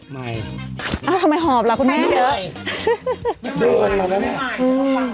ไม่เอ้าทำไมหอบล่ะคุณแม่เยอะไม่ไม่ไม่ไม่ไม่